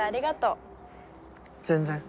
全然。